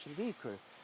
dan mobil komersil